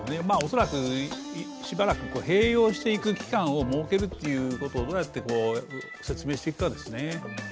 恐らく、しばらく併用していく期間を設けることでどうやって説明していくかですね。